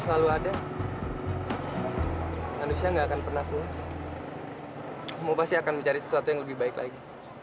selalu ada manusia nggak akan pernah lulus mau pasti akan mencari sesuatu yang lebih baik lagi